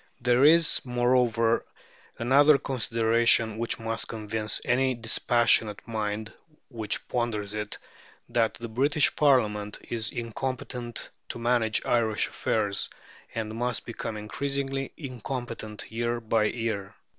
There is, moreover, another consideration which must convince any dispassionate mind which ponders it, that the British Parliament is incompetent to manage Irish affairs, and must become increasingly incompetent year by year.